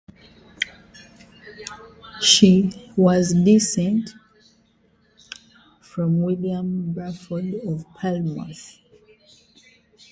She was descended from William Bradford of Plymouth.